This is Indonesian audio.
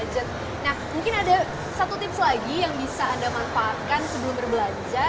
nah mungkin ada satu tips lagi yang bisa anda manfaatkan sebelum berbelanja